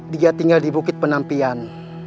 dia tinggal di bukit penampian